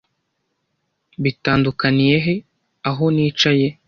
Bitandukaniye he aho nicaye?